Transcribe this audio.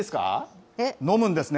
飲むんですね。